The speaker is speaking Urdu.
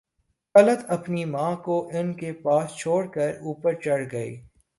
طلعت اپنی ماں کو ان کے پاس چھوڑ کر اوپر چڑھ گئی